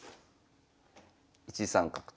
１三角と。